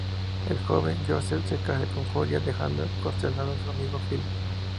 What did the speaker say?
El joven Josef se casa con Julia, dejando consternado a su amigo Philip.